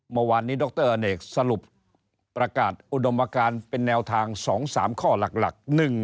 เมื่อวานนี้ดรอเนกสรุปประกาศอุดมการเป็นแนวทาง๒๓ข้อหลัก